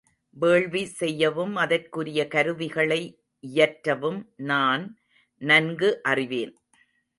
வேள்வி செய்யவும் அதற்குரிய கருவிகளை இயற்றவும் நான் நன்கு அறிவேன்.